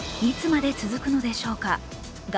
いつまで続くのでしょうか。